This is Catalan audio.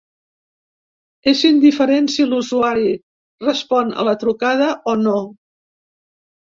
És indiferent si l’usuari respon a la trucada o no.